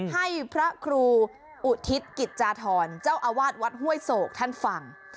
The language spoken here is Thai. ให้พระครูอุทิศกิจจาธรเจ้าอาวาสวัดห้วยโศกท่านฟัง